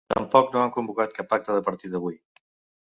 Tampoc no han convocat cap acte de partit avui.